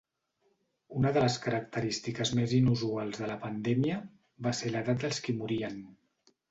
Una de les característiques més inusuals de la pandèmia va ser l'edat dels qui morien.